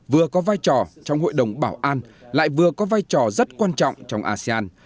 vừa có vai trò trong hội đồng bảo an lại vừa có vai trò rất quan trọng trong asean